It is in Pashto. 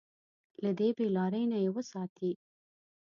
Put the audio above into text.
له دې بې لارۍ نه يې وساتي.